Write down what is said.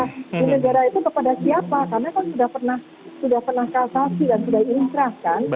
di negara itu kepada siapa karena kan sudah pernah kasasi dan sudah dimakrah kan